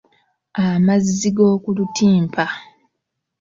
Amazzi g’oku lutimpa.